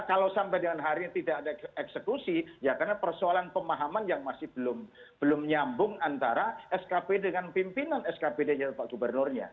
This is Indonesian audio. kalau sampai dengan hari ini tidak ada eksekusi ya karena persoalan pemahaman yang masih belum nyambung antara skp dengan pimpinan skpd nya pak gubernurnya